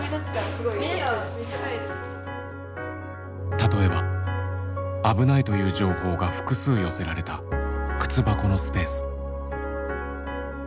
例えば危ないという情報が複数寄せられた靴箱のスペース。